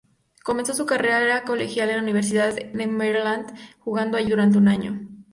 Comenzó su carrera colegial en la Universidad de Maryland, jugando allí durante un año.